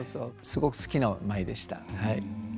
すごく好きな舞でしたはい。